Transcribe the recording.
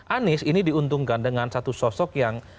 anies ini diuntungkan dengan satu sosok yang